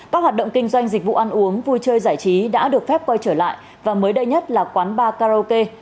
các hoạt động kinh doanh dịch vụ ăn uống vui chơi giải trí đã được phép quay trở lại và mới đây nhất là quán bar karaoke